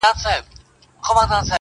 o امتحان هر سړي پر ملا مات کړي,